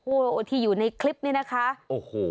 โอ้โหที่อยู่ในคลิปนี้นะคะโอ้โห